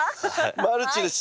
マルチです。